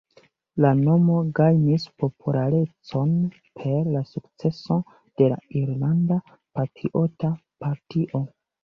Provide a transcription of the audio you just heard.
La nomo gajnis popularecon per la sukceso de la Irlanda Patriota Partio.